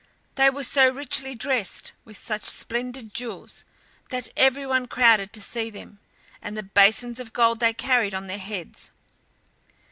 They were so richly dressed, with such splendid jewels, that everyone crowded to see them and the basins of gold they carried on their heads.